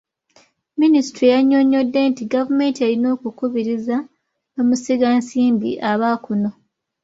Minisita yannyonnyodde nti gavumenti erina okukubiriza bamusigansimbi aba kuno.